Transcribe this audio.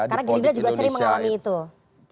karena greendraft juga sering mengalami itu